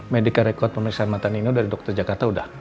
medica record pemirsa mata nino dari dokter jakarta udah